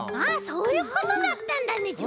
あそういうことだったんだね。